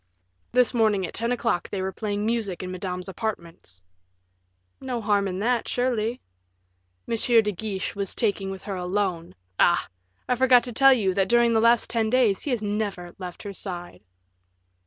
"This morning at ten o'clock they were playing music in Madame's apartments." "No harm in that, surely." "M. de Guiche was talking with her alone Ah! I forgot to tell you, that, during the last ten days, he has never left her side."